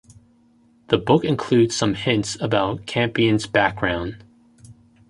The book includes some hints about Campion's background.